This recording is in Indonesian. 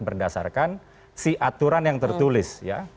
berdasarkan si aturan yang tertulis ya